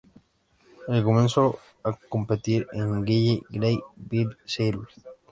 Él comenzó a competir en Henley Gray y Bill Seifert.